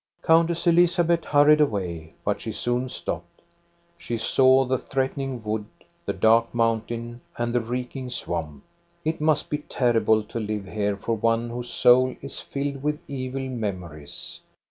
Countess Elizabeth hurried away, but she soon stopped. She saw the threatening wood, the dark mountain, and the reeking swamp. It must be terrible to live here for one whose soul is filled with evil mem ories.